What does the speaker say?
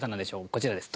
こちらです。